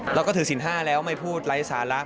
แล้วก็ถือศิลป์๕แล้วไม่พูดไร่สารรัก